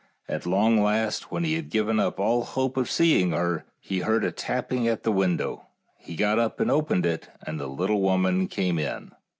At long last, and when he had given up all hope of seeing her, he heard a tapping at the window, and he got up and opened it, and the little woman came in.